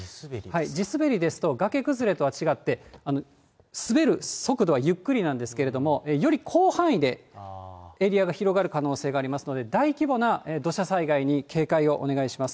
地滑りですと、崖崩れとは違って、滑る速度はゆっくりなんですけれども、より広範囲でエリアが広がる可能性がありますので、大規模な土砂災害に警戒をお願いします。